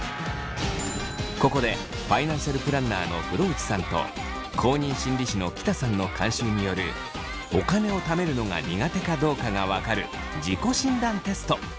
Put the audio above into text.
ここでファイナンシャルプランナーの風呂内さんと公認心理師の喜田さんの監修によるお金をためるのが苦手かどうかが分かる自己診断テスト。